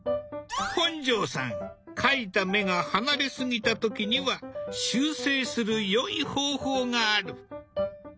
本上さん描いた目が離れすぎた時には修正する良い方法がある。